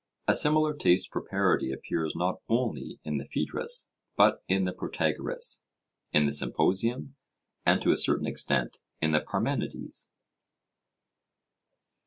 A similar taste for parody appears not only in the Phaedrus, but in the Protagoras, in the Symposium, and to a certain extent in the Parmenides.